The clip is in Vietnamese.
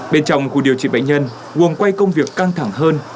bên trong của điều trị bệnh nhân nguồn quay công việc căng thẳng hơn